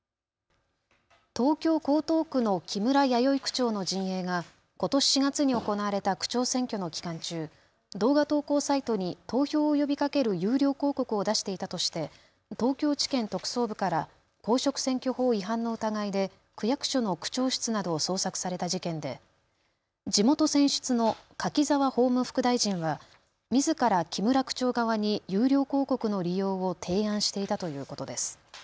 東京江東区の木村弥生区長の陣営がことし４月に行われた区長選挙の期間中、動画投稿サイトに投票を呼びかける有料広告を出していたとして東京地検特捜部から公職選挙法違反の疑いで区役所の区長室などを捜索された事件で地元選出の柿沢法務副大臣はみずから木村区長側に有料広告の利用を提案していたということです。